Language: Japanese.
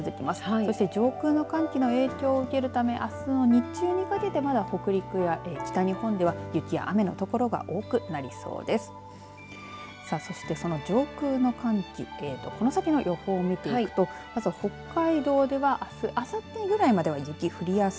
そして上空の寒気の影響を受けるため、あすは日中にかけてまだ、北陸や北日本では雪や雨の所が多くなりそうです。